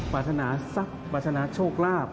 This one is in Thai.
ปรารถนาทรัพย์ปรารถนาโชคลาภ